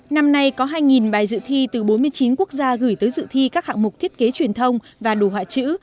năm nay có hai bài dự thi từ bốn mươi chín quốc gia gửi tới dự thi các hạng mục thiết kế truyền thông và đồ họa chữ